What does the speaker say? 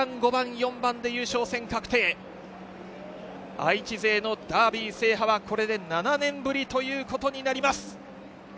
愛知勢のダービー制覇はこれで７年ぶりということになります。